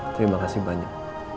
terima kasih banyak